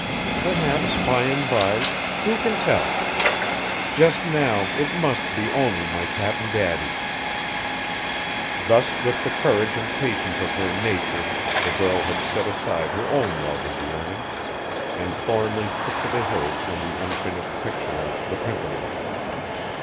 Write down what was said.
Perhaps by and by who can tell? Just now it must be only my Cap'n Daddy." Thus with the courage and patience of her nature the girl had set aside her own love and yearning; and Thornly took to the Hills and the unfinished picture of "The Pimpernel."